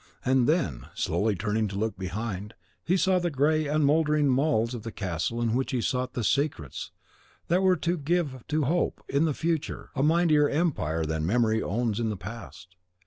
And then, slowly turning to look behind, he saw the grey and mouldering walls of the castle in which he sought the secrets that were to give to hope in the future a mightier empire than memory owns in the past.